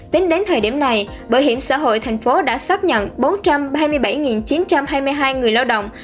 tính đến thời điểm này bảo hiểm xã hội tp hcm đã xác nhận bốn trăm hai mươi bảy chín trăm hai mươi hai người lao động